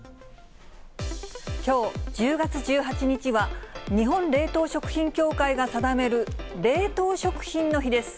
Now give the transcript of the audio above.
きょう１０月１８日は、日本冷凍食品協会が定める冷凍食品の日です。